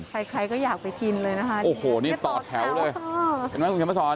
ใครก็อยากไปกินเลยนะคะโอ้โหนี่ต่อแถวเลยเห็นมั้ยคุณเฉพาะสอน